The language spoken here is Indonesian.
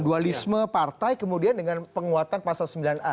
dualisme partai kemudian dengan penguatan pasal sembilan a